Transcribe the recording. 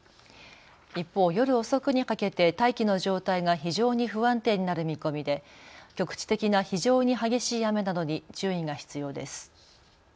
一方、夜遅くにかけて大気の状態が非常に不安定になる見込みで局地的な非常に激しい雨などに注意が必要です。